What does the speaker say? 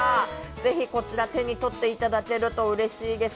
ぜひこちら、手に取っていただけるとうれしいです。